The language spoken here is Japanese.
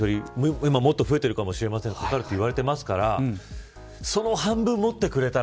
今もっと増えているかもしれませんがかかるといわれてますからその半分持ってくれたら。